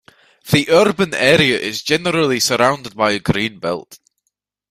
The urban area is generally surrounded by a green belt.